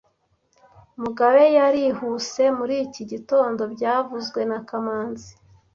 Mugabe yarihuse muri iki gitondo byavuzwe na kamanzi